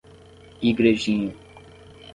Igrejinha